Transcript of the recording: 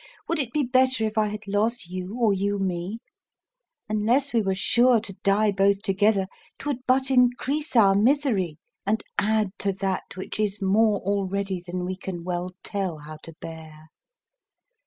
would it be better if I had lost you or you me; unless we were sure to die both together, 'twould but increase our misery, and add to that which is more already than we can well tell how to bear.